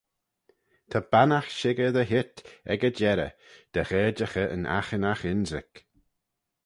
Ta bannaght shickyr dy heet ec y jerrey dy gherjaghey yn aghinagh ynrick.